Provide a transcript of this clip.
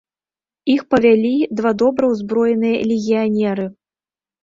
Іх павялі два добра ўзброеныя легіянеры.